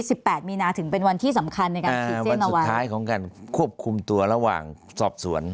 แปดมีนาถึงเป็นวันที่สำคัญในการขีดเส้นสุดท้ายของการควบคุมตัวระหว่างสอบสวน